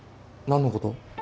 何のこと？